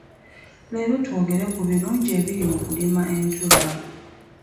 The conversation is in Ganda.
Leero twogere ku birungi ebiri mu kulima entula.